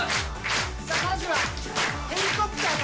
さあ、まずはヘリコプターか